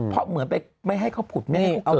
เพราะเหมือนไปไม่ให้เขาผุดไม่ให้เขาเกิด